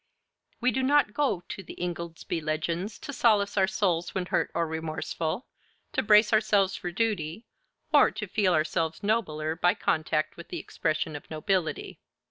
We do not go to the 'Ingoldsby Legends' to solace our souls when hurt or remorseful, to brace ourselves for duty, or to feel ourselves nobler by contact with the expression of nobility.